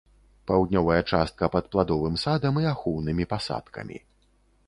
Паўднёвая частка пад пладовым садам і ахоўнымі пасадкамі.